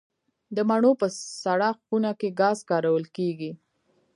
د مڼو په سړه خونه کې ګاز کارول کیږي؟